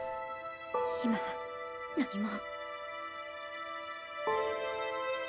今は何も。